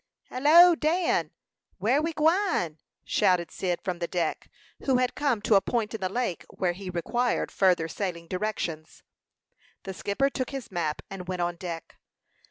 "Hallo! Dan! Where we gwine?" shouted Cyd from the deck, who had come to a point in the lake where he required further sailing directions. The skipper took his map and went on deck.